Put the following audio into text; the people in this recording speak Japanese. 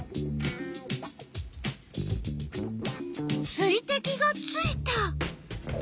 水てきがついた！